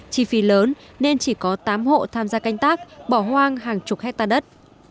chi phí lớn nên chỉ có tám hộ tham gia canh tác bỏ hoang hàng chục hectare đất